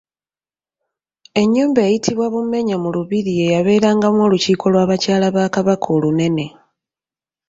Ennyumba eyitibwa Bummenya mu Lubiri yeeyabeerangamu olukiiko lw'abakyala ba Kabaka olunene.